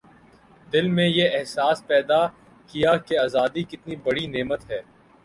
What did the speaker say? دل میں یہ احساس پیدا کیا کہ آزادی کتنی بڑی نعمت ہے